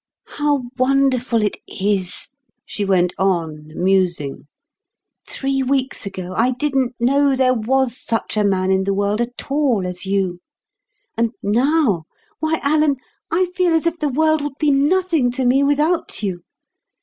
"How wonderful it is," she went on, musing. "Three weeks ago, I didn't know there was such a man in the world at all as you; and now—why, Alan, I feel as if the world would be nothing to me without you.